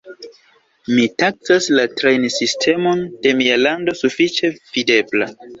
Mi taksas la trajnsistemon de mia lando sufiĉe fidebla.